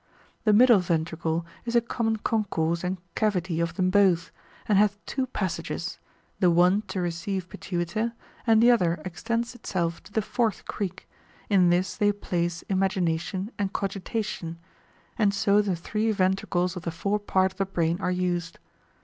The middle ventricle is a common concourse and cavity of them both, and hath two passages—the one to receive pituita, and the other extends itself to the fourth creek; in this they place imagination and cogitation, and so the three ventricles of the fore part of the brain are used.